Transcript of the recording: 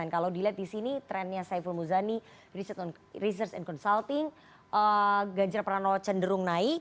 kalau dilihat di sini trendnya saiful muzani research and consulting ganjar pranowo cenderung naik